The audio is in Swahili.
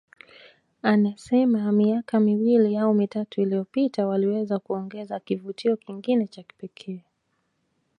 Anasema miaka miwili au mitatu iliyopita waliweza kuongeza kivutio kingine cha kipekee